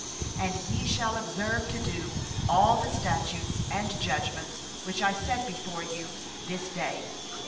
32And ye shall observe to do all the statutes and the ordinances which I set before you this day.